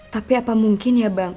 tapi apa mungkin ya bang